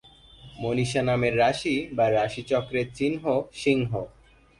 মনীষা নামের রাশি বা রাশিচক্রের চিহ্ন সিংহ।